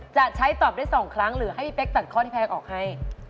จะใช้ตอบได้๒ครั้งหรือให้พี่เป๊กตัดข้อที่แพงออกให้